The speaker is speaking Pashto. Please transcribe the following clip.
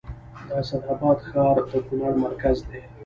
د اسعد اباد ښار د کونړ مرکز دی